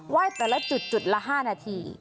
ไหว้แต่ละจุดละ๕นาที